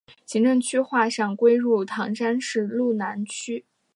行政区划上归入唐山市路南区。